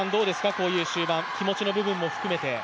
こういう終盤、気持ちの部分も含めて。